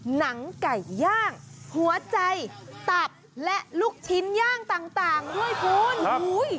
หนังไก่ย่างหัวใจตับและลูกชิ้นย่างต่างด้วยคุณอุ้ย